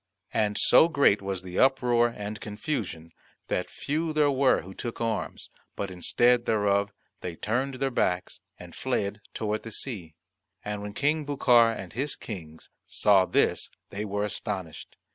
And so great was the uproar and confusion, that few there were who took arms, but instead thereof they turned their backs and fled toward the sea. And when King Bucar and his Kings saw this they were astonished.